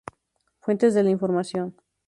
Fuentes de la información.-